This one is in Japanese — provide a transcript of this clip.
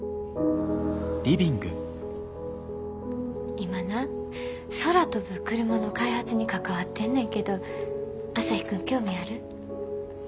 今な空飛ぶクルマの開発に関わってんねんけど朝陽君興味ある？